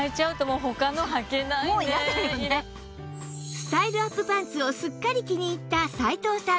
スタイルアップパンツをすっかり気に入った斉藤さん